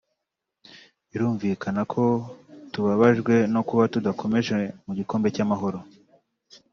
Birumvikana ko tubabajwe no kuba tudakomeje mu gikombe cy’Amahoro